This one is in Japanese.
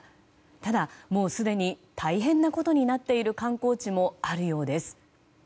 ただ、もうすでに大変なことになっている観光地もあるようです。